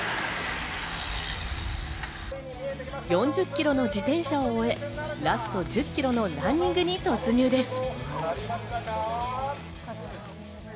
４０キロの自転車を終え、ラスト１０キロのランニングに突入です。